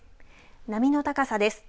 波の高さです。